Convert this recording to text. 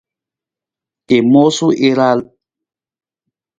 I moosa i raal.